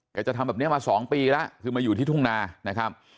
จะทำแบบนี้มา๒ปีแล้วคือมาอยู่ที่ทุ่งนานะครับ